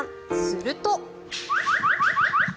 すると。